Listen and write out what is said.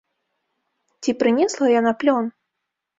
Ці прынесла яна плён?